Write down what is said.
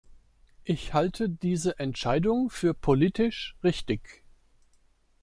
Ich halte diese Entscheidung für politisch richtig.